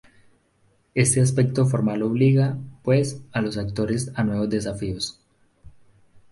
Este aspecto formal obliga, pues, a los actores a nuevos desafíos.